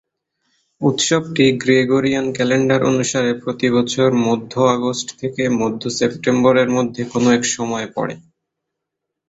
উৎসবটি Gregorian calendar অনুসারে, প্রতি বছর মধ্য-আগস্ট থেকে মধ্য-সেপ্টেম্বরের মধ্যে কোনো এক সময়ে পড়ে।